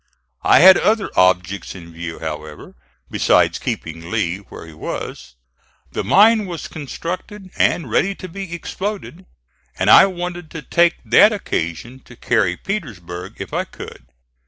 I had other objects in view, however, besides keeping Lee where he was. The mine was constructed and ready to be exploded, and I wanted to take that occasion to carry Petersburg if I could.